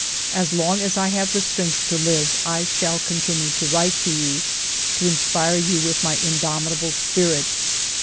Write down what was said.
As long as I have the strength to live, I shall con tinue to write to you, to inspire you with my indomitable spirit.